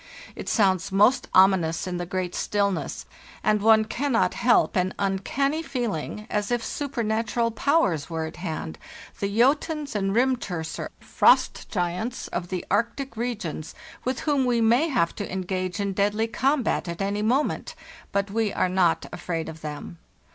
It sounds most ominous in the great stillness, and one cannot help an uncanny feeling as if supernatural powers were at hand, the Jotuns and Rimturser (frost giants) of the Arctic regions, with whom we may have to engage in deadly combat at any moment; but we are not afraid of them.